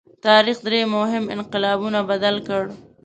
تاریخ درې مهمو انقلابونو بدل کړ.